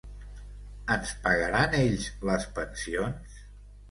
Ens pagaran ells les pensions?.